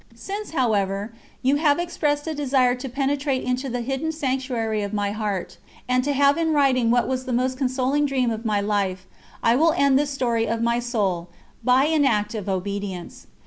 Since, however, you have expressed a desire to penetrate into the hidden sanctuary of my heart, and to have in writing what was the most consoling dream of my life, I will end this story of my soul, by an act of obedience.